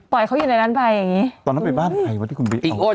ปล่อยเขาอยู่ในนั้นไปอย่างเงี้ยตอนนั้นไปบ้านไหนว่าที่คุณบิ๊กเอิ้น